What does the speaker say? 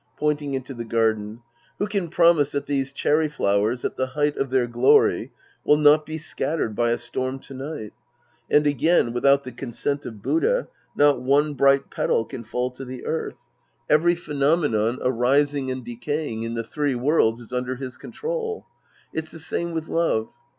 {Pointing into the gai'dcn.) Who can promise that these cherry flowers at the height of their glory will not be scattered by a storm to night ? And again, without the consent of Buddha, not one bright petal can fall to the earth. Every Sc. II The Priest and His Disciples 207 phenomenon arising and decaying in the three worlds is under his control. It's the same with love.